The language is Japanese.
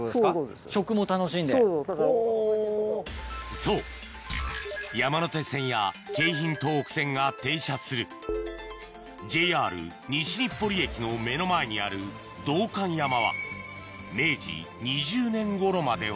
そう山手線や京浜東北線が停車するＪＲ西日暮里駅の目の前にある道灌山は明治２０年頃までは